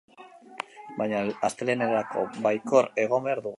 Baina astelehenerako baikor egon behar dugu.